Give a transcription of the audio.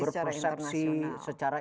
secara internasional berpersepsi secara